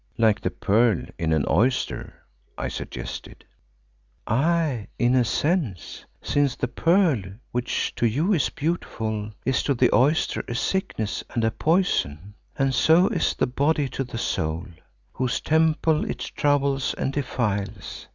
"Like the pearl in an oyster," I suggested. "Aye, in a sense, since the pearl which to you is beautiful, is to the oyster a sickness and a poison, and so is the body to the soul whose temple it troubles and defiles.